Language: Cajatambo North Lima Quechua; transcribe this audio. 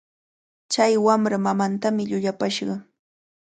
Chay wamra mamantami llullapashqa.